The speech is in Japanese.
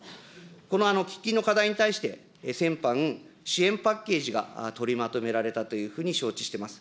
この喫緊の課題に対して、先般、支援パッケージが取りまとめられたというふうに承知しています。